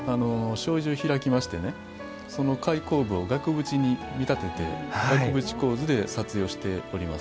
障子を開きましてその開口部を額縁に見立てて額縁構造で撮影をしております。